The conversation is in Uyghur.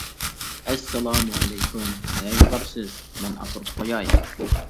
-ئەسسالامۇئەلەيكۇم، نەگە بارسىز، مەن ئاپىرىپ قوياي.